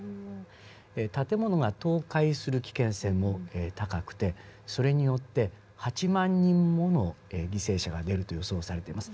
建物が倒壊する危険性も高くてそれによって８万人もの犠牲者が出ると予想されています。